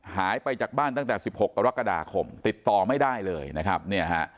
หายไปจากบ้านตั้งแต่๑๖กรกฎาคมติดต่อไม่ได้เลย